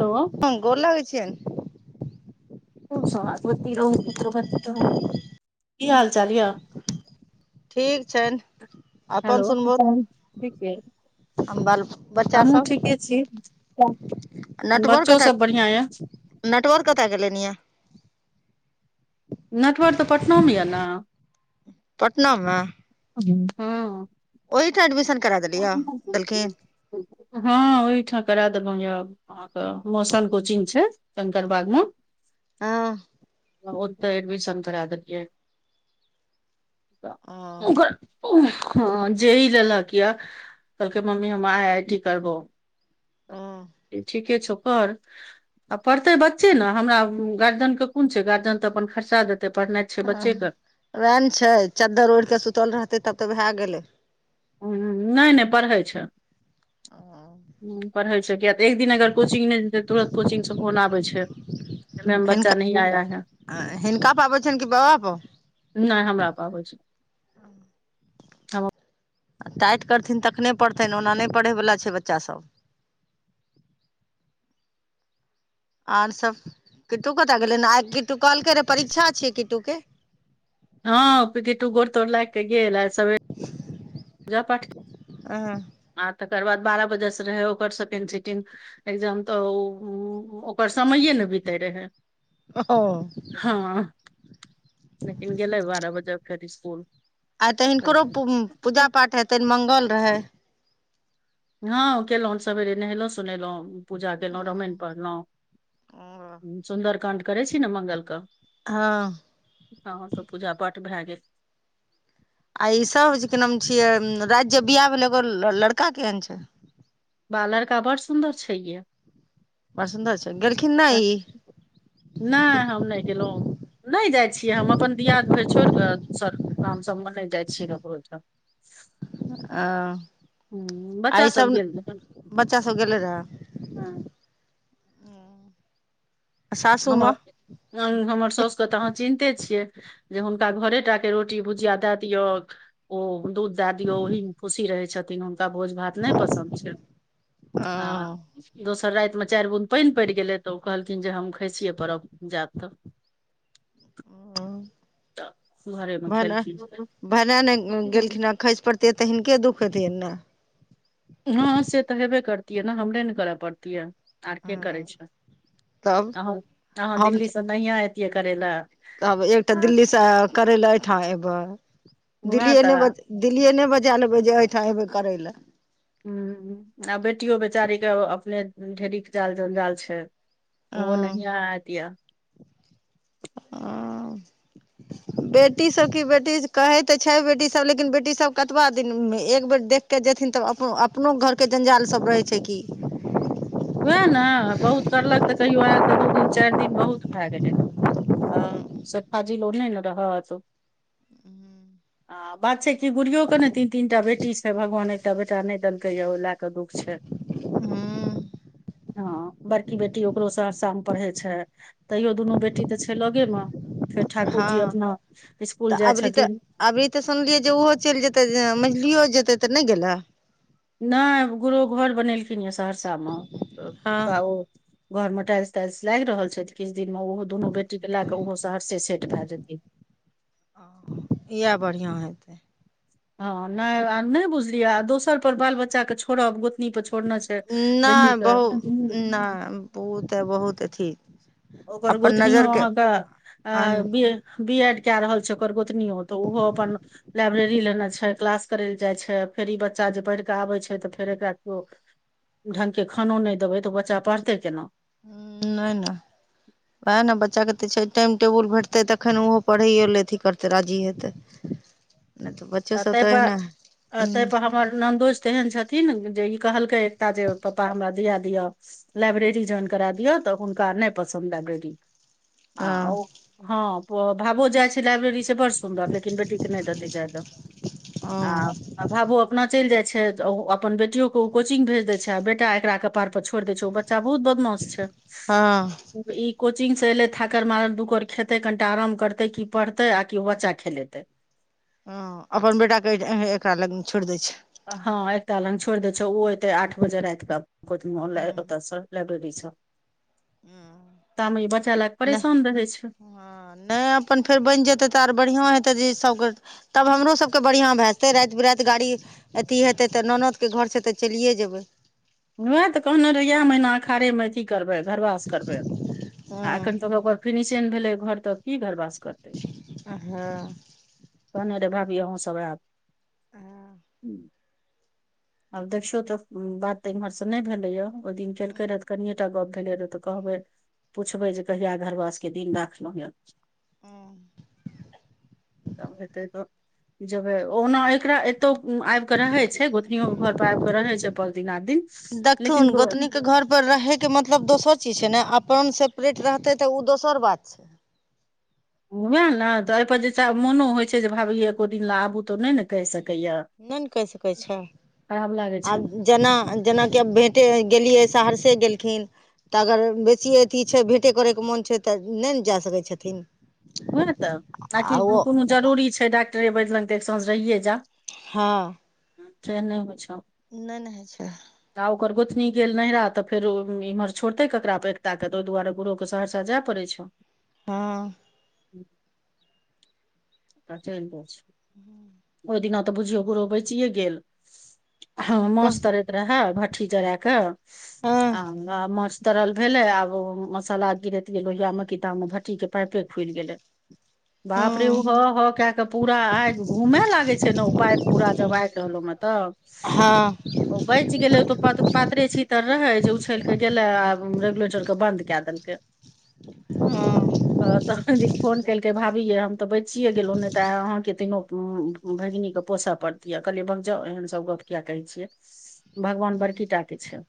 hello हँ गोर लगे छियैन खूब सुहागवती रहु पुत्रवती रहु की हाल चाल या ठीक छनि अपन हेलो सुनबू ठीक यै हम बाल बच्चा सब के छी नेटवर्क बच्चो कतय सब बढ़ियां ये नेटवर्क कतयके लेलेन यऽ नटवर तऽ पटनामे यऽ ने पटना मे हँ ओहिठन एडमिशन करा देलखिन हँ ओहिठाम करा देलहुँ य अहाँके मौसम कोचिंग छै कंकरबाग मे हँ ओ तऽ एडमिशन करा देलियै त हँ ओकर ह जे ई लेलक यए कहलकै मम्मी हम आई आई टी करबौ ठीके छो कर आ पढ़ते बच्चे ने हमरा गार्जियन के कोन छै गार्जियन तऽ अपन खर्चा देते पढ़नाइ छै आ बच्चेके वएह ने छै चद्दर ओढ़िकऽ सुतल रहतै तब तऽ भए गेलै ह नहि नहि पढ़ै छै पढ़ै छै किया एक दिन अगर कोचिंग नहि जेत तुरन्त कोचिंग सब फोन आबै छै मेम बच्चा नहि आया है अ हिनका [inaudible] नहि हमरा पा आबै छै हम आ टाइट करथिन तखने पढ़थिन ओना नहि पढ़यवला छै बच्चा सभ आर सब किट्टू कतय गेलै आय किटटू कहलकै रे परीक्षा छियै किट्टू के हँ किट्टु गोर तोर लाइग क गेल आय सबेरे [inaudible] पूज पाठ हँ आ तकर बाद बारह बजे से रहै ओकर सेकेंड सीटिंग एक्जाम तऽ ओ ओ ओ ओकर समयए ने बितै रहै ओहो हँ लेकिन गेलै बारह बजे फेर स्कूल आइ तऽ हिनकरो पू पूजा पाठ हेतनि मंगल रहय हँ केललहुँ सेरे नहेलहुँ सुनेलहुँ पूजा केलहुँ रामायण पढ़लहुँ सुन्दर काण्ड करै छी ने मंगल क हँ हँ तऽ पूजा पाठ भए गेल आ ई सब जे की नाम छिये रात बियाह भेल एगो लड़का केहन छै बा लड़का बड़ सुन्दर छै यए बड सुंदर छै गेलखिन नइ ई नहि हम नहि गेलहुँ नहि जाइ छियै हम अपन दियाद भरि छोड़ कऽ स काम सबमे नहि जाइ छियै ककरो अयठन ओ हूँ आ बच्चा ई सब गेल रहल बच्चा सब गेलै रहऽ हँ, सासूमे हमर हमर साउस के तऽ अहाँ चिन्ते छियै जे हुनका घरे टा के रोटी भुजिया दए दियै ओ दूध दए दियै ओहि मे खुशी रहे छथिन ओ भोज भात नहि पसन्द छै आ दोसर रातिमे चारि बुंद पानि पड़ि गेलै तऽ ओ कहलथिन जे हम खइसियै परब जायब तऽ हँ तऽ घरेमे खेलखिन ते तऽ हिनके दुःख हेतियनि ने हँ से तऽ हेबे करतियै ने हमरे ने करय पड़तियै आर के ने करै छै तब अ अहाँ हम दिल्लीसँ नहिय अतियै करै लए तब एकटा दिल्ली सँ करै लै ए ठाँ एबै उएह दिल्लीए तऽ ने ब दिल्लिए नहि बजा लेबै जे एहिठाम एबै करै लै ह आ बेटियो बेचारी के अपने ढेरिक जाल जंजाल छै ओ हँ नहिया आयतिया [unintelligible] बेटी सब की बेटी कहै तऽ छै बेटी सब लेकिन बेटी सब कतबा दिन एक बेर देख के जेथिन तब अपन अपनो घरके जंजाल सब रहै छै कि उएह ने बहुत करलक तऽ कहियो आयल तऽ दू दिन चारि दिन बहुत भए गेलै हँ स फाजील ओ नहि ने रहत हू आ बात छै कि बुढ़ियो के ने तीन तीन टा बेटी छै भगवान एकटा बेटा नहि देलकै यै ओइ लै तऽ दुःख छै हूँ हँ बड़की बेटी ओकरो सहरसामे पढ़ै छै तैयो दुनू बेटी तऽ छै लगेमे फेर ठाकुर जी हँ अपना तऽ स्कूल जाइ अबरी तऽ छथिन अबरी तऽ मंझलियो जेते तऽ नहि गेलय नहि गुरो घर बनेलखिन ये सहरसामे हँ हुनका ओ घर मे टाइल्स ताइल्स लागि रहल छै किछु दिन मे ओहो दुनू बेटी के लै क ओहो सहरसे सेट भै जेथिन इएह बढ़िआँ हेतै हँ नहि आ नहि बुझलियै आ दोसर पर बाल बच्चा के छोड़ब गोतनी परे छोड़ने छी नहि बहुत नहि ओ तऽ बहुत अथी ओकर अपन गोतनीयो नजरके अहाँके अन अ बिर बी एड कए रहल छै ओकर गोतनियो तऽ ओहो अपन लाइब्रेरी लेने छै क्लास करय लए जाइ छै फेर ई बच्चा जे पढ़ि कऽ आबै छै तऽ फेर एकरा केओ ढंगके खानो नइ देबै तऽ ओ बच्चा पढ़तै केना हूं नइ नइ वएह न बच्चाके तऽ छै टाइम टेबुल भेटतै तखन ओहो पढ़ैयए लए अथी करतै राजी हेतै नहि तऽ ब आ तै पर तै पर हमर ननदोसि तेहन छथिन जे ई कहलकै एकटा जे पप्पा हमरा दिया दिअ लाइब्रेरी ज्वाइन करा दियौ तऽ हुनका नहि पसन्द लाइब्रेरी आ हँ हँ भाबो जाइ छै लाइब्रेरी से बड़ सुन्दर लेकिन बेटीके नइ देतै जाय ल आ हँ आ भावो अपना चलि जाइ छै ओ अपन बेटियो के ओ कोचिंग भेज देय छै आ बेटा एकरा कपार पर छोड़ि दे छै ओ बच बच्चा बहुत बदमाश छै हँ ई कोचिंग से एयलै थाकर मारल दू कोर खेतै कनिटा आराम करते की पढ़तै आ कि ओ बच्चा खेलेतै ह अपन बेटाके एकरा लग छोड़ि दै छै हँ एकता लग छोड़ि दे छै ओ एते आठ बजे राति के ओत से लाइब्रेरी सँ हूं लए नहि परेशान रहै छै नइ अपन फेर बनि जेतै तऽ आर बढ़िआँ हेतै जे इ सबके तब हमरो सबके बढ़िआँ भए जेतै राति बिराति गाड़ी अथी हेतै तऽ ननदके घरसे तऽ चलिए जेबै ओएह तऽ कहने रहिअइ कि महीना अखाड़ेमे अथी करबै घरबास करबै आ हँ एखन तक ओकर ओकर फिनिशिंग भेलै घर तऽ की घरबास करतै हँ कहने रहय भाभी अहूँसब आयब आब देखियौ तऽ बात तऽ इमहर से नहि भेलै य ओइ दिन केलक र तऽ कनियेटा गप भेलै रहे तऽ कहबै पुछबै जे कहिया घरवासके दिन राखलहुँ ये [inaudible] तब हेतै तऽ जेबै ओहना एकरा ए ओतौ आबि कऽ रहै छै गोतनियो के घर पर आबि कऽ रहे छै पांच दिन आठ दिन लेकिन दो घर पर रहे के मतलब दोसर चीज छै ने अपन सेपरेट रहतै तऽ ओ दोसर बात छै उएह न तऽ एहिपर जे मोनो होइ छै जे भाभी एको दिन ल आबू तऽ नइ न कहि सकैया नइ न कहि सकै छै खराब लागै छै आब जेना जेनाकि आब भेँटे गेलियै सहरसे गेलखिन तऽ अगर बेसी अथी छै भेटे करयके मोन छै तऽ नइ न जा सकै छथिन उहए न तऽ आ कि कोनो जरूरी छै डॉक्टरे बैद्य लग तऽ एक सांझ रहिए जाउ हँ से नइ होइ छै नइ नइ होइ छै त ओकर गोतनी गेल नैहरा तऽ फेर इम्हर छोड़तै ककरा पर एकता के तऽ तै दुआरे बुढो सहरसा जाय पड़ै छौ हँ [inaudible] आ चलि जाय छै ओइ दिना तऽ बुझियौ गुरु बचिेए गेल हँ माछ कोन तरै रहै भट्ठी जराय क हँ आ माछ तरल भेलै आब ओ मसाला गिरैतिय लोहियाम की ताइमे भट्टी के पाइपे खुलि गेलै बाप रे उ हँ ह ह क के पूरा आग घूमे लागे छै ने पाइ पूरा जबइ रहलो में तब [unintelligible] हँ ओ बचि गेलै ओ तऽ पातरे छीतर रहै जे उछलि कऽ गेलै आ रेगुलेटरके बंन्द क देलकै ह तऽ तखन फोन केलकै भाभीे ये हम तऽ बचिए गेलहुँ नहि तऽ अहाँके तीनो भगिनीके पोसऽ पड़तऽ कहलियै भग जाउ एहन सब गप किया कहै छियै भगवान बड़की टा के छै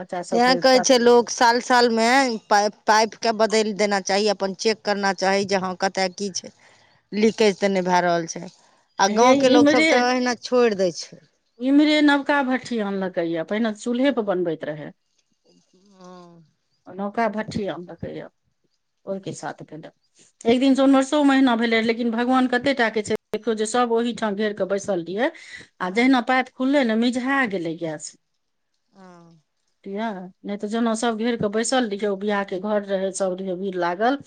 बच्चा तेँ सबके कहै साथ छै लोक साल साल मे पाइप के बदलि देना चाही अपन चेक करना चाही जे ह कतय की छै लीकेज तऽ नहि भए रहल छै आ हे गाँव के लोग इम्हरे सब ते एहिना छोड़ि देय छै इम्हरे नवका भट्ठि नान लकै पहिने चूल्हे परे बनबैत रहय ह नौका भट्ठी आम देखैय ओहिके साथ भेले एक दिन से उनवर्सों महना भेले रह लेकिन भगवान कते टा के छै देखियौ जे सब ओहिठाम घेर क बैसल रहिये आ हँ जहिना पात खुललै न मिझा गेलै गैस ह बुझलियै नहि तऽ जेना सब घेर के बैसल रहियै ओ बियाह के घर रहे सब रे भीर लागल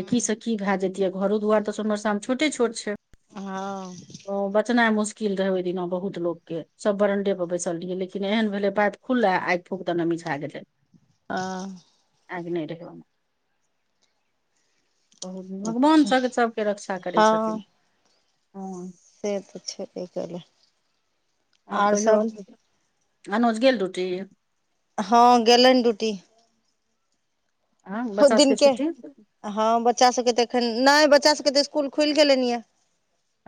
जे की से की भए जति ये घरो दुआर तऽ सोनवर्षा मे छोटे छोट छै हँ ओ बचनाइ मुश्किल रहै ओहि दिना बहुत लोकके सब बरणडे पर बैसल रहियै लेकिन एहन भेलै पाइप खुललै आइक फुक दऽ ने मिझा गेलै ह आगिने रहै औने बहु भगवान अच्छा सभ सभके रक्षा करै छथिन हँ हँ से तऽ छैेबै करै आर कहियो अनुज गेल ड्युटी हँ गेलन डूटी आ बच्चा सभके दिनके छुट्टी हँ बच्चा सभके तऽ एखन नहि बच्चा सभके तऽ इसकुल खुलि गेलनि यए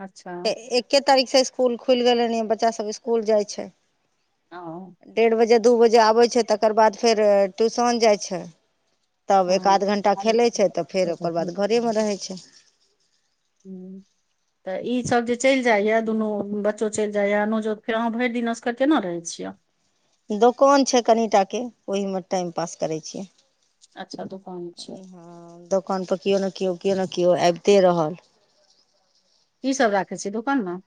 अच्छा एके तारिख से स्कूल खुल गेल नेऐ बच्च बच्चा सब स्कुल जाय छै ओ डेढ़ बजे दू बजे आबै छै तकर बाद फेर ट्यूशन जाइ छै तब एक आध घण्टा खेलै छै तऽ फेर ओकर बाद घरेमे रहै छै [inaudible] तऽ ईसभ जे चलि जाइए दुनू बच्चो चलि जाइए नौजो फेर अहाँ भरि दिन असगर केना रहैत छियै दोकान छै कनिटाके ओहिमे टाइम पास करै छियै अच्छा दोकान छै ह दोकान पर केओ नहि केओ केओ नहि केओ आबिते रहल की सब राखे छियै दोकान मे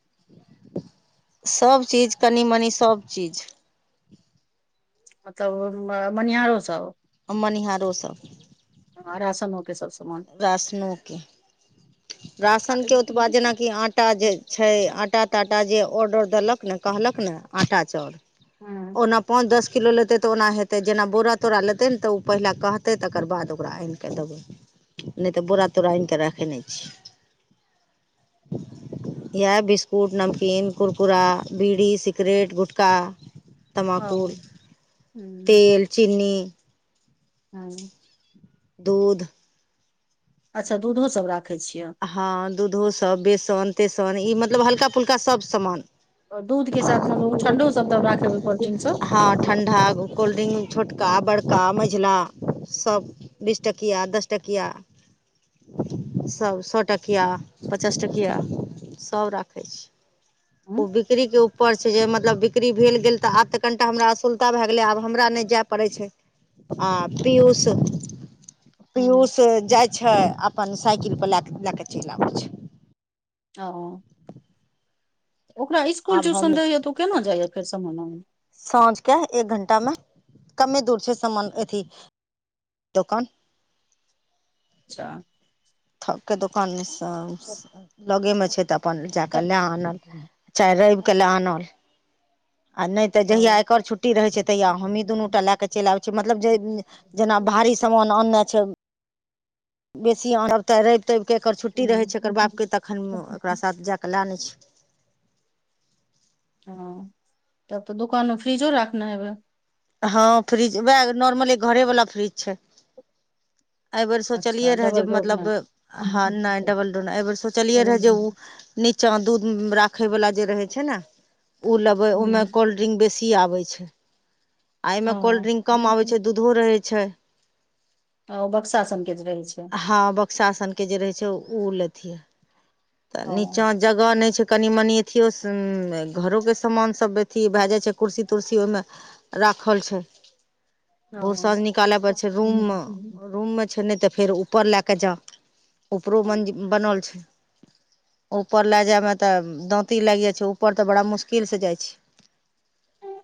सब चीज कनि मनी सब चीज मतलब मनिहारो सब मनिहारोसभ आ रासनो के सब समान रासनोके राशनके उत्पाद जेनाकि आटा जे छै आटा टा टा जे ऑर्डर देलक ने कहलक ने आटा चाउर हँ ओना पाँच दस किलो लेतै तऽ ओना हेतै जेना बोरा तोरा लेतै ने तऽ ओ पहिले कहतै तकर बाद ओकरा आनिके कऽ देबै नहि तऽ बोरा तोरा आनि कऽ राखै नहि छै [inaudible] इएह बिसकुट नमकिन कुरकुरा बीड़ी सिकरेट गुटका ओ तमाकु हूँ तेल चीनी हँ दूध अच्छा दूधो सब राखै छियै हँ दूधो सब बेसन तेसन ई मतलब हल्का फुल्का सब समान दूध के साथ मतलब उ ठंडो सब तब राखै के परतनि सब हँ ठण्डा कोल्ड्रिंक छोटका बड़का मझिला सब बीस टकिया दस टकिया सभ सौ टकिया पचास टकिया सभ राखै छी ओ हूँ बिक्री के ऊपर छै जे मतलब बिक्री भेल गेल तऽ आब तऽ कनिटा हमरा अ सुलटा भए गेलै आब हमरा नहि जाय पड़ै छै आ पियूस हूँ पीयूष जाय छै अपन साइकिल पर लए के लए के चलि आबै छै ओ ओकरा इसकुल आब हम ट्यूशन रहै या तऽ ओ केना जाइया फेर समान आनअ साँझ के एक घंटा मे कमे दूर छै समान अथी दोकान अच्छा थौके दोकान में सब लगे में छै तऽ अपन तऽ जाकऽ लए आनल चाहे रविके लए आनल आ नहि तऽ ओ जहिया एकर छुट्टी रहै छै तहिया हँ हमही दुनू टा लए क चलि आबै छै मतलब जे जेना भारी सामान आननै छै बेसी आनब तऽ रवि तबि कऽ एकर छुट्टी रहै छै एकर बापके तखन ओकरा साथ जा कऽ लए अनै छियै हँ तब तऽ दुकान मे फ्रिजो राखने हेबे हँ फ्रिज उएह नॉर्मले घरे वाला फ्रिज छै एहि बेेर सोचलियै अच्छा रहए जे डबल डोर मतलब मे हँ नहि डबल डोर नहि एहि बेर सोचलयै रहए जे उ नीचा दूध राखे वाला जे रहे छै ने उ लेबे ओमें हँ कोल्ड ड्रिंक बेसीये आबै छै आ आ एहिमे कोल्ड्रिंक कम आबै छै दूधो रहै छै त ओ बक्सा सनके जे रहे छै हँ बक्सासनके जे रहै छै ओ लेतिये तऽ ओ नीचाँ जगह नहि छै कनि मनि अथियो स घरो के सामान सब अथि भए जाइ छै कुर्सी तुर्सी ओहिमे राखल छै ओ आहोस निकालय परै छै रूम मे रूम मे छै नहि तऽ फेर उपर लएकेऽ जा उपरो मंजिल बनल छै ऊपर लए जायमे तऽ दाँती लागि जाइ छै ऊपर तऽ बड़ा मुश्किल से जाइ छै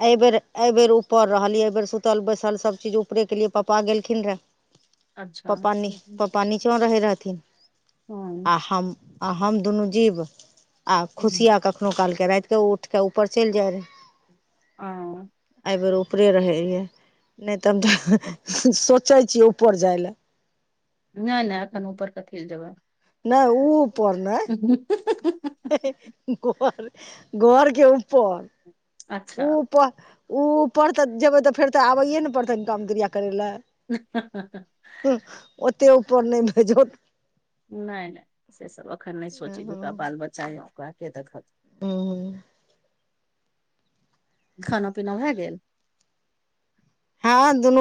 एहिबेर एहिबेर ऊपर रहल एहि बेेर सुतल बैसल सबचीज ऊपरे केलिए पपा गेलखिन रहे अच्छा पप्पा नी हँ पप्पा नीचो रहै रहथिन हँ आ हम आ हम दुनू जीव आ खुशिया कखनो कालके रात केे उठके ऊपर चलि जाय रहै ॲ एहिबेर उपरे रहै रहियै नहि तऽ हम तऽ सोचै छियै उपर जाइ लए नहि नहि एखन ऊपर कथि ल जेबै नहि ओ ऊपर नहि [inaudible] घर घर के ऊपर अच्छा प ओ उपर तऽ जेबै तऽ फेर तऽ आबैए ने पड़तै काम क्रिया करै लए [inaudible] ओते ऊपर नहि भेजोथ नहि नहि से सब एखन नहि सोची दु टा बाल बच्चा य ओकरा के देखत ओ खाना पीना भए गेल हँ दुनू